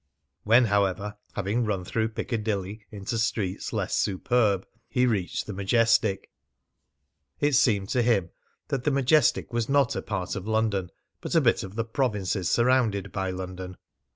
When, however, having run through Piccadilly into streets less superb, he reached the Majestic, it seemed to him that the Majestic was not a part of London, but a bit of the provinces surrounded by London.